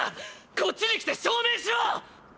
こっちに来て証明しろ！